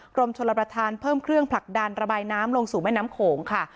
กรมชลประธานเพิ่มเครื่องผลักดันระบายน้ำลงสู่แม่น้ำโขงค่ะ